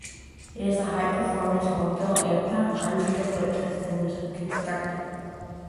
It is a high-performance homebuilt aircraft, hundreds of which have been constructed.